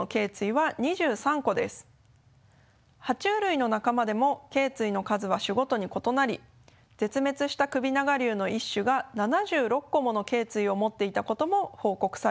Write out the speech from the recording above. は虫類の仲間でもけい椎の数は種ごとに異なり絶滅した首長竜の一種が７６個ものけい椎を持っていたことも報告されています。